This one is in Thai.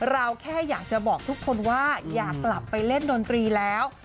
เราแค่อยากจะบอกทุกคนว่าอยากกลับไปเล่นดนตรีแล้ว